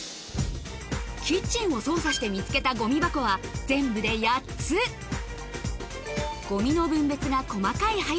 キッチンを捜査して見つけたゴミ箱は全部で８つ生活全般？